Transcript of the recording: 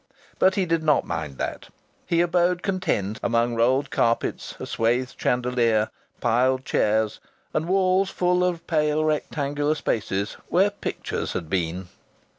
But he did not mind that. He abode content among rolled carpets, a swathed chandelier, piled chairs, and walls full of pale rectangular spaces where pictures had been.